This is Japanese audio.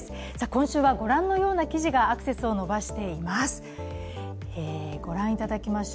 今週はご覧のような記事がアクセスを伸ばしています。